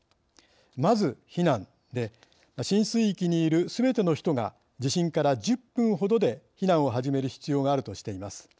まず避難で浸水域にいるすべての人が地震から１０分ほどで避難を始める必要があるとしています。